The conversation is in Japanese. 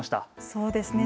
そうですね。